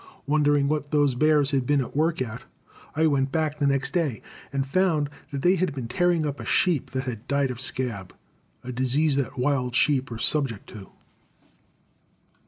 Wondering what those bears had been at work at, I went back the next day and found that they had been tearing up a sheep that had died of scab, a disease that wild sheep are subject to.